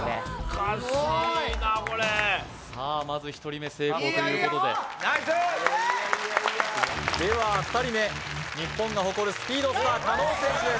難しいなこれさあまず１人目成功ということででは２人目日本が誇るスピードスター加納選手です